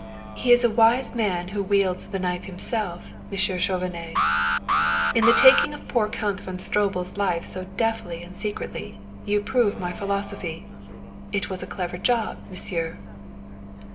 "He is a wise man who wields the knife himself, Monsieur Chauvenet. In the taking of poor Count von Stroebel's life so deftly and secretly, you prove my philosophy. It was a clever job, Monsieur!"